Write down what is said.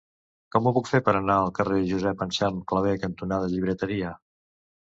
Com ho puc fer per anar al carrer Josep Anselm Clavé cantonada Llibreteria?